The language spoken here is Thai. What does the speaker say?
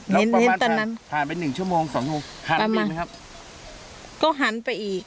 นิ้นตอนนั้นผ่านไปหนึ่งชั่วโมงสองชั่วโมงหันไปไหมครับก็หันไปอีก